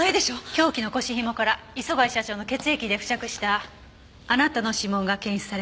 凶器の腰紐から磯貝社長の血液で付着したあなたの指紋が検出されました。